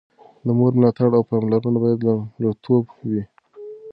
د مور ملاتړ او پاملرنه باید لومړیتوب وي.